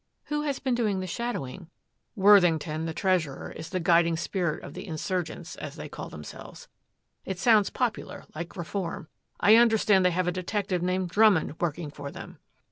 "Who has been doing the shadowing?" "Worthington, the treasurer, is the guiding spirit of the 'insurgents' as they call themselves it sounds popular, like reform. I understand they have had a detective named Drummond working for them."